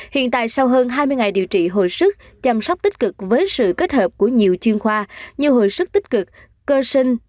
hiện tại sau hơn hai mươi ngày điều trị hồi sức chăm sóc tích cực với sự kết hợp của nhiều chuyên khoa như hồi sức tích cực cơ sinh